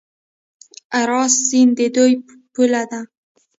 اراس سیند د دوی پوله ده.